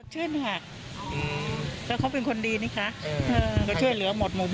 เท่านั้นยังไงเป็นกี่คนที่สลัดกับเปลี่ยนเป็นเลี่ยม